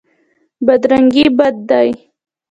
بدرنګي بد دی.